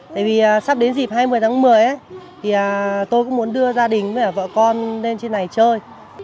tại vì sắp đến dịp hai mươi tháng một mươi thì tôi cũng muốn đưa gia đình với vợ con lên trên này chơi